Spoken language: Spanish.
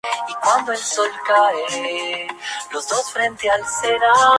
Esta es la única vez que el personaje muere.